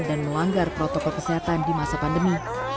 dan melanggar protokol kesehatan di masa pandemi